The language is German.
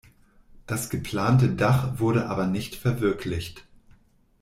Das geplante Dach wurde aber nicht verwirklicht.